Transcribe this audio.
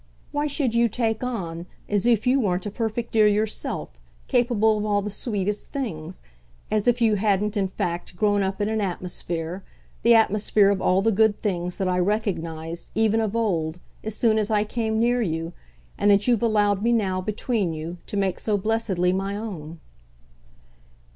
Why should you 'take on' as if you weren't a perfect dear yourself, capable of all the sweetest things? as if you hadn't in fact grown up in an atmosphere, the atmosphere of all the good things that I recognised, even of old, as soon as I came near you, and that you've allowed me now, between you, to make so blessedly my own."